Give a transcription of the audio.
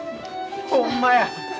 ほんまや。